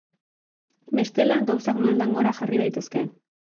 Bestela gauzak maldan gora jarri daitezke.